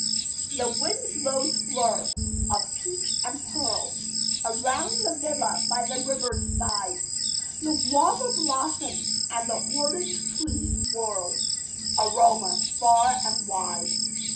The wind blows blurs of peach and pearl Around the villa by the river's side; The guava blossoms and the orange trees whirl Aroma far and wide.